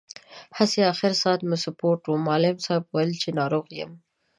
هسې، اخر ساعت مو سپورټ و، معلم صاحب ویل چې ناروغ یم.